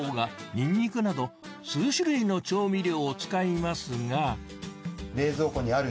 にんにくなど数種類の調味料を使いますがあれ